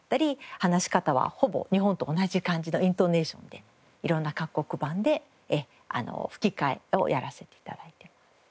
話し方はほぼ日本と同じ感じのイントネーションで色んな各国版で吹き替えをやらせて頂いてます。